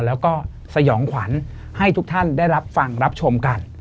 แล้วก็สยองขวัญให้ทุกท่านได้รับฟังรับชมกัน